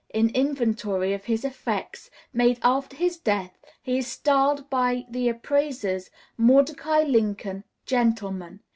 In the inventory of his effects, made after his death, he is styled by the appraisers, "Mordecai Lincoln, Gentleman."